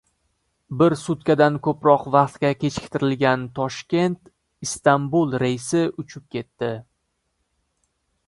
Bir sutkadan ko‘proq vaqtga kechiktirilgan Toshkent—Istanbul reysi uchib ketdi